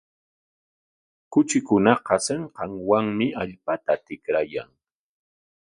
Kuchikunaqa sinqanwanmi allpata tikrayan.